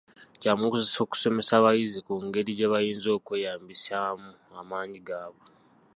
Kyamugaso okusomesa abayizi ku ngeri gye bayinza okweyambisaamu amaanyi gaabwe.